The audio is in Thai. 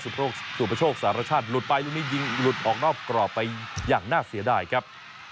สุประโชคสารชาติหลุดไปลูกนี้ยิงหลุดออกนอกกรอบไปอย่างน่าเสียดายครับ